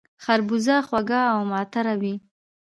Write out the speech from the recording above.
خربوزه خوږه او معطره وي